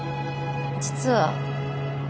実は